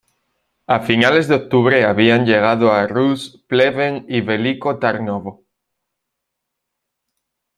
A finales de octubre, habían llegado a Ruse, Pleven y Veliko Tarnovo.